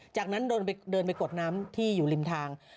จากนั้นเดินไปกดน้ำที่อยู่ริมทาง